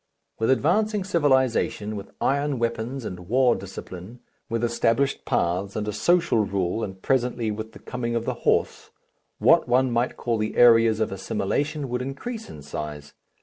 With advancing civilization, with iron weapons and war discipline, with established paths and a social rule and presently with the coming of the horse, what one might call the areas of assimilation would increase in size.